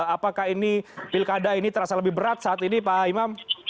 apakah ini pilkada ini terasa lebih berat saat ini pak imam